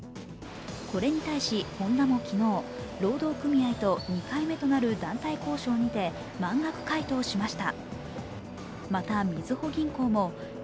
これに対し、ホンダも昨日、労働組合と２回目となる団体交渉にて満額回答しました。